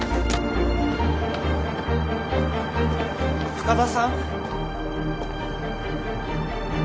深田さん？